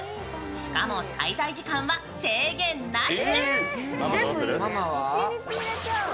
しかも滞在時間は制限なし。